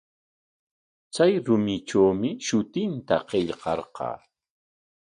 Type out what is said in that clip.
Chay rumitrawmi shutinta qillqarqan.